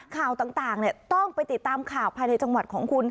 ข่าวต่างต้องไปติดตามข่าวภายในจังหวัดของคุณ